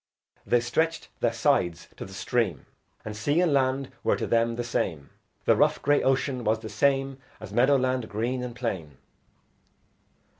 They stretched their sides to the stream, And sea and land were to them the same, The rough grey ocean was the same As meadow land green and plain.